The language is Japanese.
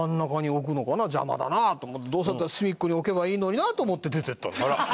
どうせだったら隅っこに置けばいいのになと思って出ていったの。